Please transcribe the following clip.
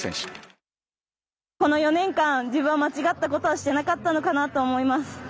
この４年間自分は間違ったことはしてなかったのかなと思います。